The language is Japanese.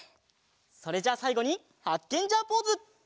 それじゃあさいごにハッケンジャーポーズ！